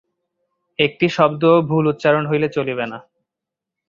একটি শব্দও ভুল উচ্চারণ হইলে চলিবে না।